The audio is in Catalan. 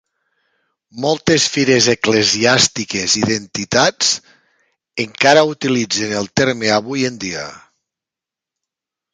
Moltes fires eclesiàstiques i d'entitats encara utilitzen el terme avui en dia.